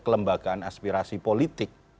kelembagaan aspirasi politik